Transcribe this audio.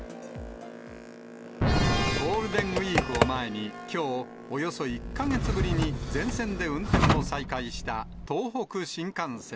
ゴールデンウィークを前に、きょう、およそ１か月ぶりに全線で運転を再開した東北新幹線。